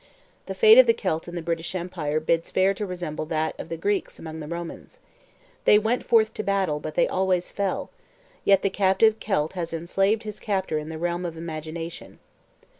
The fate of the Celt in the British Empire bids fair to resemble that of the Greeks among the Romans. "They went forth to battle, but they always fell," yet the captive Celt has enslaved his captor in the realm of imagination.